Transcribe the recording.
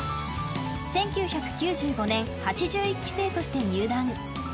１９９５年８１期生として入団。